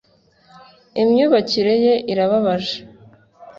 Imyubakire ye irababaje.